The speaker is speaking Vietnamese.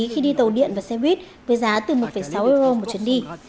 khi đi tàu điện và xe buýt với giá từ một sáu euro một chuyến đi